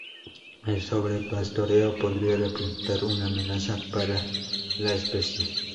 El sobrepastoreo podría representar una amenaza para la especie.